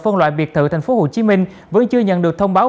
phân loại biệt thự thành phố hồ chí minh vẫn chưa nhận được thông báo